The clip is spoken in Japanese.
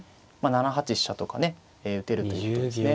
７八飛車とかね打てるということですね。